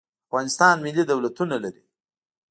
افغانستان ملي دولتونه لري.